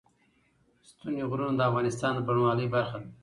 ستوني غرونه د افغانستان د بڼوالۍ برخه ده.